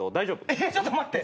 えっちょっと待って！